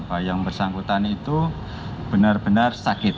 bayang bersangkutan itu benar benar sakit